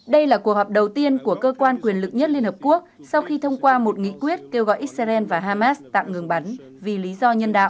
đây là cuộc họp đầu tiên của cơ quan quyền lực nhất liên hợp quốc sau khi thông qua một nghị quyết kêu gọi israel và hamas tạm ngừng bắn vì lý do nhân đạo